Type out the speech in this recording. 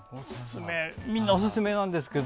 みんなオススメなんですけど。